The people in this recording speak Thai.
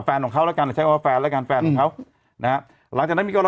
แฟนของเขาแล้วกันใช้ว่าแฟนแล้วกันแฟนของเขานะฮะหลังจากนั้นมีก็รอ